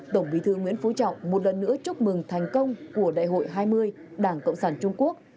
tổng bí thư nguyễn phú trọng một lần nữa chúc mừng thành công của đại hội hai mươi đảng cộng sản trung quốc